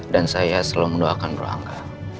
dan saya selalu mendoakan bro angga